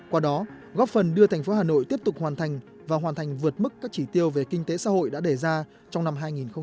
qua đó góp phần đưa thành phố hà nội tiếp tục hoàn thành và hoàn thành vượt mức các chỉ tiêu về kinh tế xã hội đã đề ra trong năm hai nghìn hai mươi